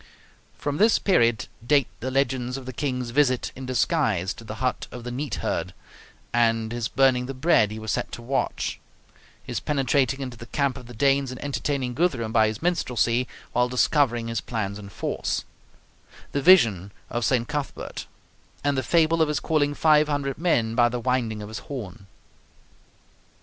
From this period date the legends of the King's visit in disguise to the hut of the neat herd, and his burning the bread he was set to watch; his penetrating into the camp of the Danes and entertaining Guthrum by his minstrelsy while discovering his plans and force; the vision of St. Cuthbert; and the fable of his calling five hundred men by the winding of his horn.